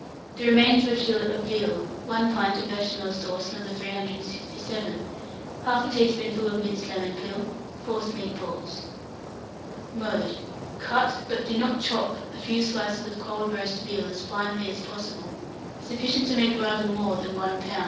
The remains of a fillet of veal, 1 pint of Béchamel sauce No. 367, 1/2 teaspoonful of minced lemon peel, forcemeat balls. Mode. Cut but do not chop a few slices of cold roast veal as finely as possible, sufficient to make rather more than 1 lb.